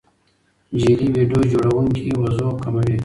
جعلي ویډیو جوړونکي وضوح کموي.